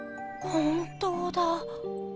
本当だ。